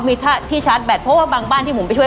มันจะเกิดสถานการณ์อะไรอีกหรือเปล่า